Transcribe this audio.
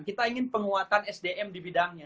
kita ingin penguatan sdm di bidangnya